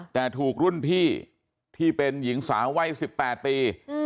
แต่ถูกรุ่นพี่ที่เป็นหญิงสาววัย๑๘ปี